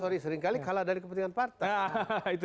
sorry seringkali kalah dari kepentingan partai